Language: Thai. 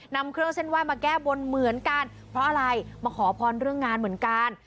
นำเครื่องเส้นไหว้มาแก้บนเหมือนกันเพราะอะไรมาขอพรเรื่องงานเหมือนกัน